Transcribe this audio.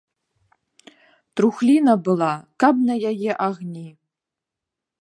Трухліна была, каб на яе агні.